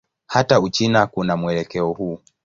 Hata Uchina kuna mwelekeo huu.